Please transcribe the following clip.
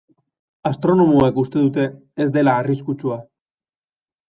Astronomoek uste dute ez dela arriskutsua.